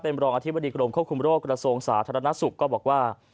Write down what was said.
เป็นรองอธิบดิกรมควบคุมโรคกระทรวงศาสตร์ธรรณสุกก็บอกว่า